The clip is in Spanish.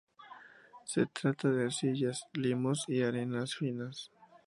Se trata de arcillas, limos y arenas finas.